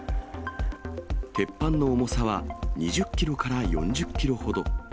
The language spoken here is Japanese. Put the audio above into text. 鉄板の重さは２０キロから４０キロほど。